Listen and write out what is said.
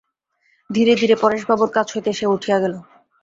ধীরে ধীরে পরেশবাবুর কাছ হইতে সে উঠিয়া গেল।